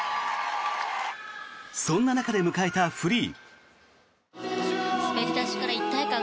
そんな中で迎えたフリー。